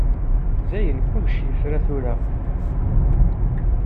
Dayen kullec yefra tura.